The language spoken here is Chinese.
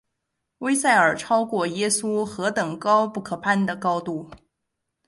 威塞尔超过耶稣何等高不可攀的高度！